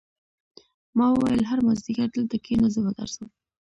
ما وویل هر مازدیګر دلته کېنه زه به درځم